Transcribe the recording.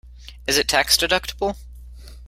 Is it tax-deductible?